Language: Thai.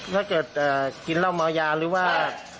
ถ้าเกิดกินเหล้าเมายาหรือว่า